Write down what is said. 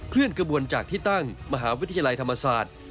กระบวนจากที่ตั้งมหาวิทยาลัยธรรมศาสตร์